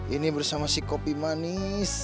ini bersama si kopi manis